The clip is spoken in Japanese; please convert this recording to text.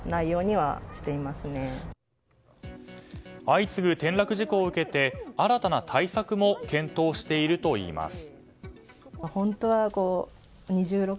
相次ぐ転落事故を受けて新たな対策も検討しているといいます。